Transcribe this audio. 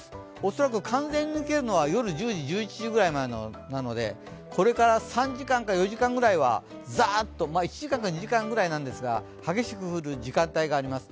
恐らく完全に抜けるのは夜１０時、１１時ぐらいなので、これから３時間か４時間ぐらいは、ざっと１時間か２時間ぐらいですが激しく降る時間帯があります。